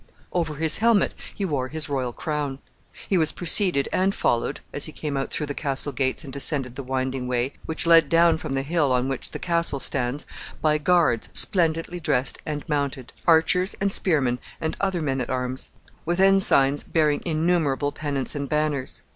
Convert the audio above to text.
Over his helmet he wore his royal crown. He was preceded and followed, as he came out through the castle gates and descended the winding way which led down from the hill on which the castle stands, by guards splendidly dressed and mounted archers, and spearmen, and other men at arms with ensigns bearing innumerable pennants and banners.